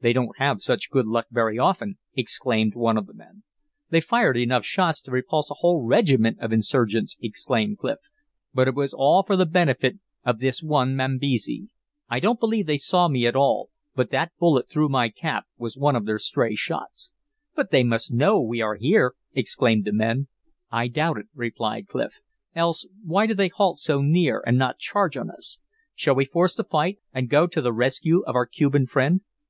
"They don't have such good luck very often," exclaimed one of the men. "They fired enough shots to repulse a whole regiment of insurgents," exclaimed Clif, "but it was all for the benefit of this one mambesi. I don't believe they saw me at all, but that bullet through my cap was one of their stray shots." "But they must know we are here," exclaimed the men. "I doubt it," replied Clif, "else why do they halt so near and not charge on us? Shall we force the fight and go to the rescue of our Cuban friend?"